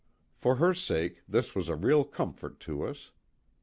For her sake this was a real comfort to us.